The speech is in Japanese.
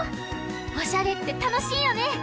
おしゃれってたのしいよね？